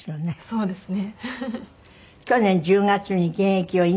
そうですね。